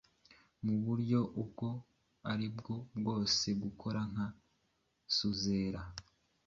Muburyo ubwo aribwo bwose gukora nka suzera